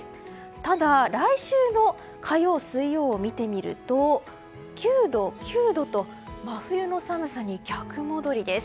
ただ、来週の火曜、水曜を見てみると９度、９度と真冬の寒さに逆戻りです。